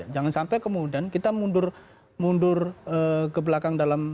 jangan sampai kemudian kita mundur ke belakang dalam